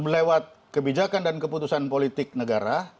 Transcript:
lewat kebijakan dan keputusan politik negara